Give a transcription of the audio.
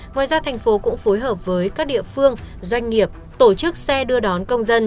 ngoài ra thành phố cũng phối hợp với các địa phương doanh nghiệp tổ chức xe đưa đón công dân